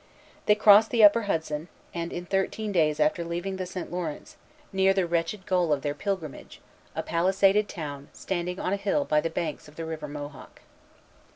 They crossed the upper Hudson, and, in thirteen days after leaving the St. Lawrence, neared the wretched goal of their pilgrimage, a palisaded town, standing on a hill by the banks of the River Mohawk.